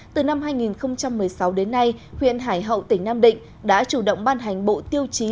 từ năm hai nghìn một mươi sáu đến nay huyện hải hậu tỉnh nam định đã chủ động ban hành bộ tiêu chí